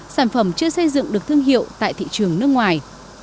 sản phẩm chưa xây dựng được thương hiệu tại thị trường nước ngoài